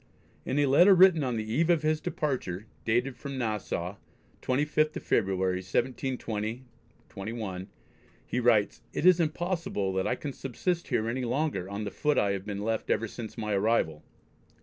In a letter written on the eve of his departure, dated from Nassau, 25th of February, 1720/1, he writes: "It is impossible that I can subsist here any longer on the foot I have been left ever since my arrival."